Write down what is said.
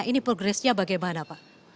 ini progresnya bagaimana pak